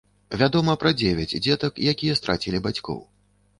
Вядома пра дзевяць дзетак, якія страцілі бацькоў.